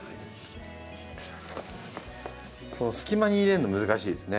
この隙間に入れるの難しいですね。